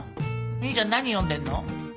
実優ちゃん何読んでるの？